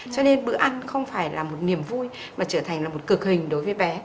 cho nên bữa ăn không phải là một niềm vui mà trở thành là một cực hình đối với bé